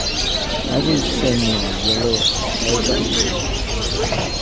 Have you seen my yellow hairbrush?